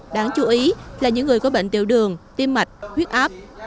đáng chú ý là những người có bệnh tiểu đường tim mạch huyết áp